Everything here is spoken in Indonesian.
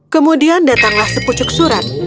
kemudian datanglah sepucuk surat